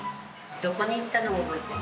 どこに行ったのを覚えてる？